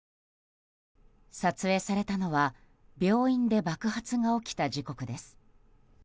撮影されたのは病院で爆発が起きた時刻です。